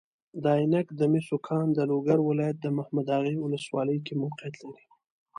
د عینک د مسو کان د لوګر ولایت محمداغې والسوالۍ کې موقیعت لري.